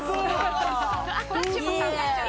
こっちも参加しちゃう。